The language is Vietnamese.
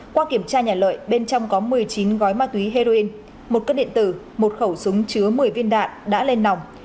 qua kiểm tra nhà lợi bên trong có một mươi chín gói ma túy heroin một cân điện tử một khẩu súng chứa một mươi viên đạn đã lên nòng